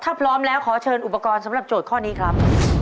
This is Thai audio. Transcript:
ถ้าพร้อมแล้วขอเชิญอุปกรณ์สำหรับโจทย์ข้อนี้ครับ